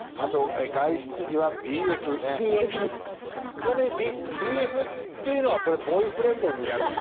ちなみにＢＦっていうのはこれボーイフレンドになるんですかね？